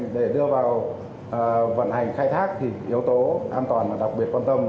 để đưa vào vận hành khai thác thì yếu tố an toàn mà đặc biệt quan tâm